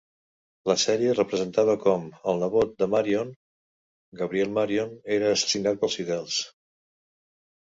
La sèrie representava com, el nebot de Marion, Gabriel Marion, era assassinat pels fidels.